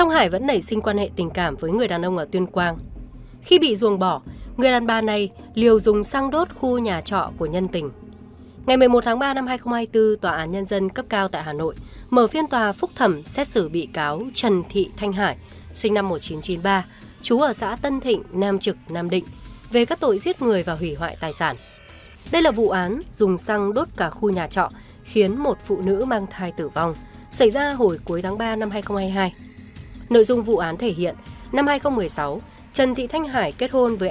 hãy đăng ký kênh để ủng hộ kênh của chúng mình nhé